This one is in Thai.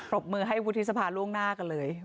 บมือให้วุฒิสภาล่วงหน้ากันเลย